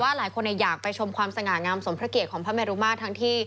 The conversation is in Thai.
หลายคนอยากไปชมความสง่างามสมพระเกียรติของพระเมรุมาตรทั้งที่